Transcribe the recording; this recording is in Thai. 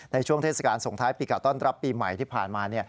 เทศกาลส่งท้ายปีเก่าต้อนรับปีใหม่ที่ผ่านมา